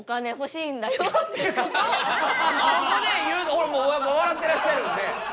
ほらもう笑ってらっしゃるんで。